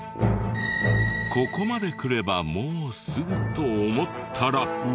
ここまで来ればもうすぐと思ったら。